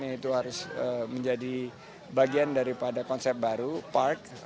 dan itu harus menjadi bagian daripada konsep baru park